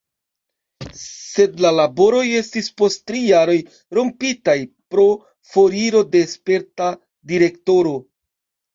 Sed la laboroj estis post tri jaroj rompitaj pro foriro de sperta direktoro.